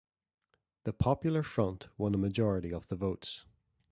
The Popular Front won a majority of the votes.